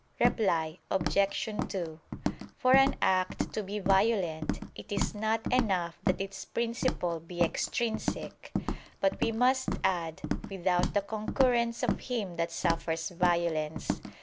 Reply Obj. 2: For an act to be violent it is not enough that its principle be extrinsic, but we must add "without the concurrence of him that suffers violence."